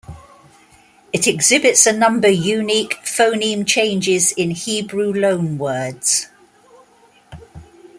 It exhibits a number unique phoneme changes in Hebrew loanwords.